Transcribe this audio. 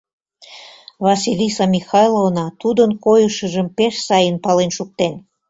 Василиса Михайловна тудын койышыжым пеш сайын пален шуктен.